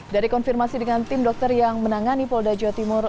dari konfirmasi dengan tim dokter yang menangani polda jawa timur